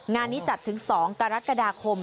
งานนี้จัดถึง๒กรกฎาคม